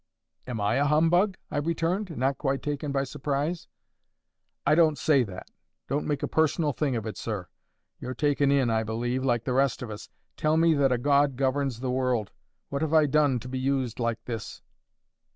"Am I a humbug?" I returned, not quite taken by surprise. "I don't say that. Don't make a personal thing of it, sir. You're taken in, I believe, like the rest of us. Tell me that a God governs the world! What have I done, to be used like this?"